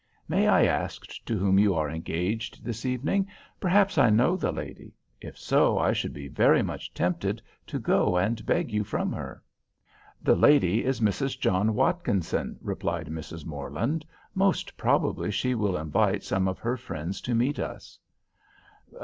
May I ask to whom you are engaged this evening? Perhaps I know the lady—if so, I should be very much tempted to go and beg you from her." "The lady is Mrs. John Watkinson"—replied Mrs. Morland—"most probably she will invite some of her friends to meet us."